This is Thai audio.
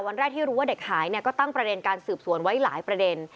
วันแรกที่รู้ว่าเด็กหายเนี่ยก็ตั้งประเด็นการสืบสวนไว้หลายประเด็น